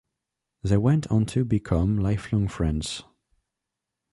They went on to become lifelong friends.